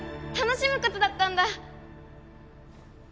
楽しむことだったんだ！